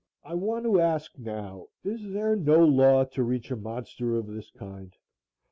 I want to ask now, is there no law to reach a monster of this kind?